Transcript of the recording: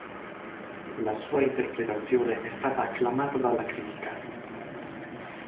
La sua interpretazione è stata acclamata dalla critica.